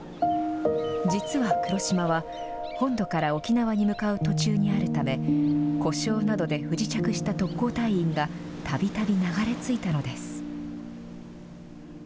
実は黒島は、本土から沖縄に向かう途中にあるため、故障などで不時着した特攻隊員が、たびたび流れ着いたのです。